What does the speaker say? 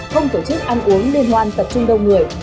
không tổ chức ăn uống liên hoan tập trung đông người